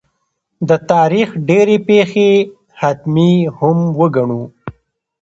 د تاریخ ډېرې پېښې حتمي هم وګڼو.